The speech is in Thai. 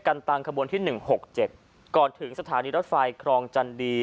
ตังขบวนที่หนึ่งหกเจ็ดก่อนถึงสถานีรถไฟครองจันดี